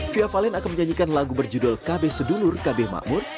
kabeh sedulur se jawa timur kabeh sedulur kabeh mahmur